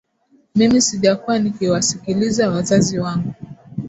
Mimi sijakuwa nikiwasikiliza wazazi wangu